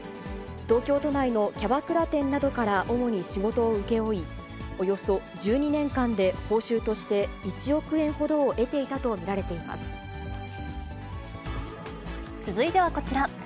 東京都内のキャバクラ店などから主に仕事を請け負い、およそ１２年間で報酬として１億円ほどを得ていたと見られていま続いてはこちら。